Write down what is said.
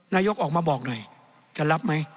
นายกออกมาบอกหน่อยจะรับไหม